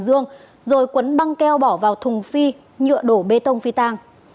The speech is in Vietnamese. rồi quấn băng keo bỏ vào thùng phi nhựa đổ bê tông phi tăng